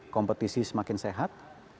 kompetisi semakin sehat